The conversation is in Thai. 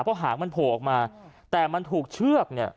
เพราะหางมันโผล่ออกมาแต่มันถูกเชือกเนี่ย